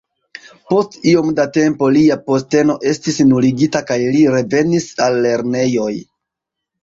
Post iom da tempo lia posteno estis nuligita kaj li revenis al lernejoj.